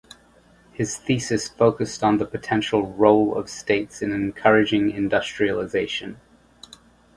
His thesis focused on the potential role of states in encouraging industrialisation.